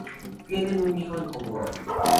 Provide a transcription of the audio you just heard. Tienen un hijo en común.